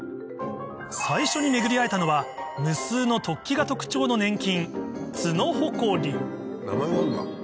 最初に巡り合えたのは無数の突起が特徴の粘菌